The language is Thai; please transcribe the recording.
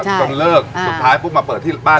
จงเลิกสุดท้ายปุ๊บมาเปิดที่บ้าน